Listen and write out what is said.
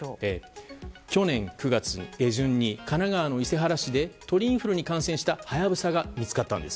去年９月下旬に神奈川・伊勢原市で鳥インフルに感染したハヤブサが見つかったんです。